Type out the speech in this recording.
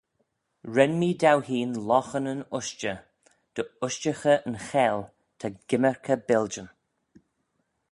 Ren mee dou hene loghanyn ushtey, dy ushtaghey yn cheyll ta gymmyrkey biljyn.